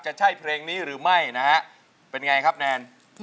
จะใช่เพลงนี้หรือไม่นะฮะเป็นไงครับแนน